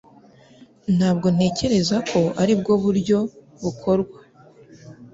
Ntabwo ntekereza ko aribwo buryo bukorwa